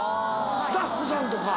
スタッフさんとか。